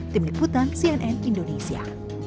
tim liputan cnn indonesia